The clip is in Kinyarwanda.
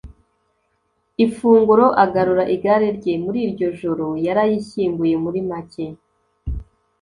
ifunguro, agarura igare rye. muri iryo joro yarayishyinguye muri make